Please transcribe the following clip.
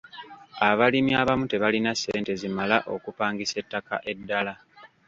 Abalimi abamu tebalina ssente zimala okupangisa ettaka eddala.